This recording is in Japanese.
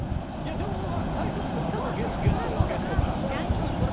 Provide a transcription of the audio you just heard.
でも最初スタートはゲストから。